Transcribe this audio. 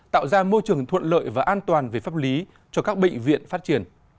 tạo ra môi trường thuận lợi và an toàn về pháp lý cho các bệnh viện phát triển